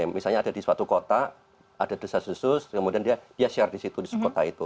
misalnya ada di suatu kota ada desa susus kemudian dia share di situ di kota itu